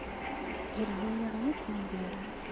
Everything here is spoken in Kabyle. Yerza-yaɣ akk umgaru.